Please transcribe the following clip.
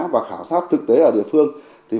và khảo sát thực tế ở địa phương thì